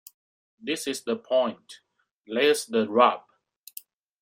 This is the point. There's the rub.